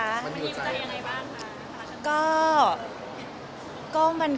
มายูใจยังไงบ้างคะ